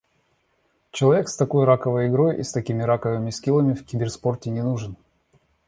Человек с такой раковой игрой и с такими раковыми скиллами в киберспорте не нужен.